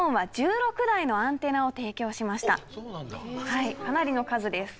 はいかなりの数です。